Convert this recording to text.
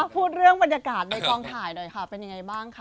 พูดเรื่องบรรยากาศในกองถ่ายหน่อยค่ะเป็นยังไงบ้างคะ